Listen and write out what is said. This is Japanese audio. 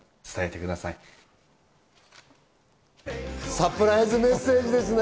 サプライズメッセージですね。